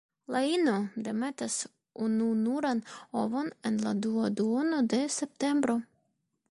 La ino demetas ununuran ovon en la dua duono de septembro.